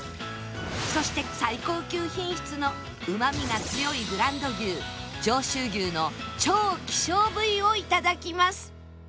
そして最高級品質のうまみが強いブランド牛上州牛の超希少部位をいただきます